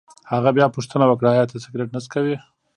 هغه بیا پوښتنه وکړه: ایا ته سګرېټ نه څکوې؟